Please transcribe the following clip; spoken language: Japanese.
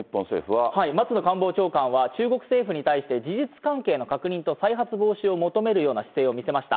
松野官房長官は、中国政府に対して事実関係の確認と再発防止を求めるような姿勢を見せました。